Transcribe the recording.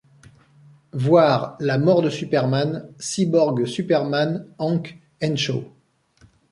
Voir La mort de Superman, Cyborg Superman Hank Henshaw.